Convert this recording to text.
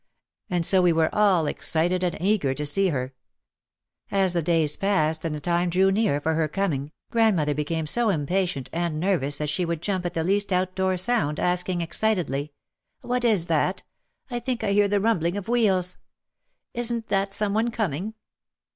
And so we were all excited and eager to see her. As the days passed and the time drew near for her coming, grandmother became so impatient and nervous that she would jump at the least outdoor sound, asking excitedly, "What is that? I think I hear the rumbling of wheels. Isn't that some one coming?"